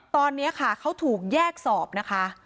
ตอนนี้ค่ะเขาถูกแยกสอบนะคะ